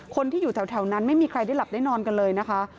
คนที่อยู่แถวนั้นไม่มีใครได้หลับได้นอนกันเลยนะคะ